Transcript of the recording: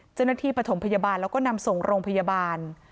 เจ้าหน้าที่ประถมพยาบาลแล้วก็นำส่งลงพยาบาล